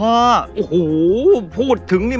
โอ้โฮพูดถึงนี่